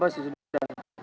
apa yang disini